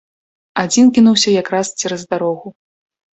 Адзін кінуўся якраз цераз дарогу.